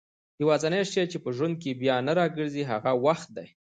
يوازينی شی چي په ژوند کي بيا نه راګرځي هغه وخت دئ